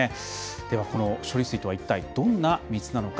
では、この処理水とは一体どんな水なのか。